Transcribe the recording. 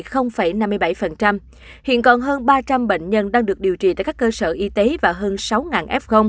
hiện còn hơn ba trăm linh bệnh nhân đang được điều trị tại các cơ sở y tế và hơn sáu f